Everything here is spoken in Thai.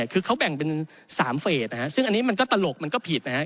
คือเขาแบ่งเป็น๓เฟสนะฮะซึ่งอันนี้มันก็ตลกมันก็ผิดนะครับ